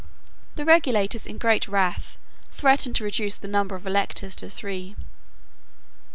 The regulators in great wrath threatened to reduce the number of electors to three.